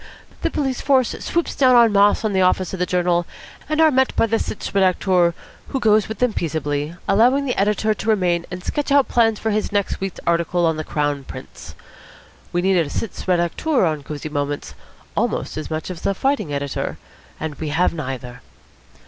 The police force swoops down en masse on the office of the journal, and are met by the sitz redacteur, who goes with them peaceably, allowing the editor to remain and sketch out plans for his next week's article on the Crown Prince. We need a sitz redacteur on Cosy Moments almost as much as a fighting editor; and we have neither."